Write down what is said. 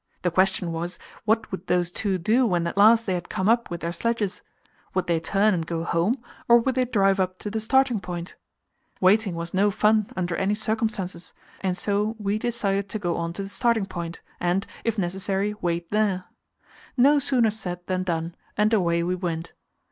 The question was, what would those two do when at last they had come up with their sledges? Would they turn and go home, or would they drive up to the starting point? Waiting was no fun under any circumstances, and so we decided to go on to the starting point, and, if necessary, wait there. No sooner said than done, and away we went.